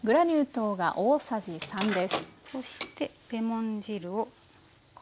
そしてレモン汁を。